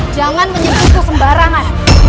jangan menyimpulku sembarangan